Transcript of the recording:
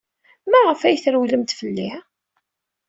Maɣef ay trewlemt fell-i?